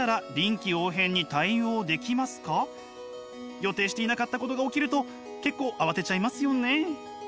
予定していなかったことが起きると結構慌てちゃいますよね。